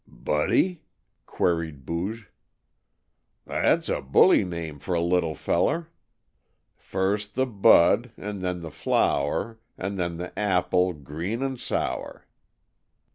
"Buddy?" queried Booge. "That's a bully name for a little feller. First the Bud, an' then the Flower, an' then the Apple green an' sour."